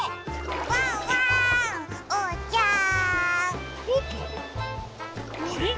ワンワーンおうちゃん！